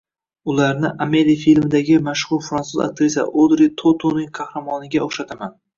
Ularni «Ameli» filmidagi mashhur fransuz aktrisasi Odri Totuning qahramoniga o‘xshataman.